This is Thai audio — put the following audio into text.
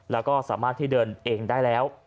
แล้วก็สามารถที่เดินเองได้แล้ว